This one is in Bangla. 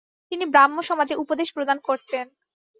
তিনি ব্রাহ্মসমাজে উপদেশ প্রদান করতেন।